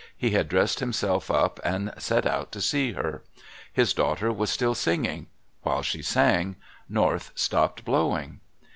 He had dressed himself up and set out to see her. His daughter was still singing. While she sang, North stopped blowing.